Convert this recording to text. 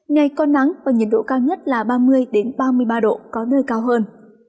ngày có nắng và nhiệt độ cao nhất là ba mươi ba mươi ba độ có nơi cao hơn